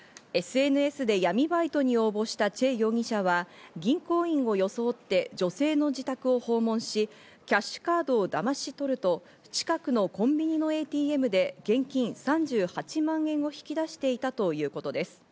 ＳＮＳで闇バイトに応募したチェ容疑者は銀行員を装って、女性の自宅を訪問し、キャッシュカードをだまし取ると、近くのコンビニのＡＴＭで現金３８万円を引き出していたということです。